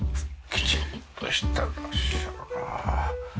きちんとしてらっしゃるなあ。